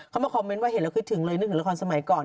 เขามาคอมเมนต์ว่าเห็นแล้วคิดถึงเลยนึกถึงละครสมัยก่อน